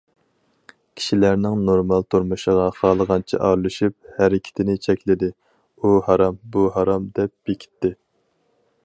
كىشىلەرنىڭ نورمال تۇرمۇشىغا خالىغانچە ئارىلىشىپ، ھەرىكىتىنى چەكلىدى،‹‹ ئۇ ھارام، بۇ ھارام›› دەپ بېكىتتى.